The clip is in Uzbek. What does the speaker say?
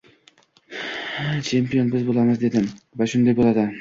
champion biz bo‘lamiz dedim va shunday bo‘ladi!